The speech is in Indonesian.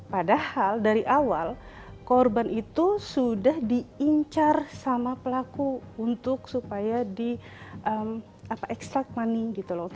padahal dari awal korban itu sudah diincar sama pelaku untuk supaya di extract money gitu loh